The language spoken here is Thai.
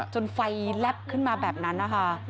จนไฟแลบขึ้นมาแบบนั้นนะคะ